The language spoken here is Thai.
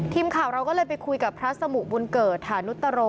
ทีมข่าวเราก็เลยไปคุยกับพระสมุบุญเกิดฐานุตโร